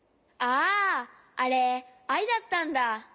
あああれアイだったんだ？